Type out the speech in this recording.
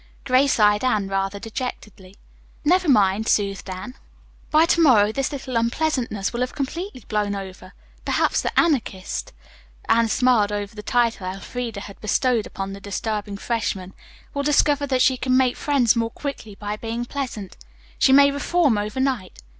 Grace eyed Anne rather dejectedly. "Never mind," soothed Anne. "By to morrow this little unpleasantness will have completely blown over. Perhaps the Anarchist," Anne smiled over the title Elfreda had bestowed upon the disturbing freshman, "will discover that she can make friends more quickly by being pleasant. She may reform over night.